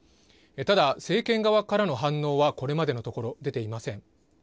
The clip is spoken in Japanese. ただ、政権側からの反応はこれまでのところ出ていません。